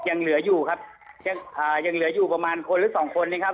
ยังเหลืออยู่ครับยังอ่ายังเหลืออยู่ประมาณคนหรือสองคนนี้ครับ